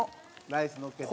ライスのっけて。